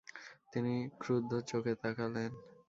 তিনি ক্রুদ্ধ চােখে তাকালেন।